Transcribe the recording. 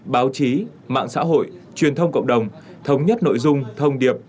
báo chí mạng xã hội truyền thông cộng đồng thống nhất nội dung thông điệp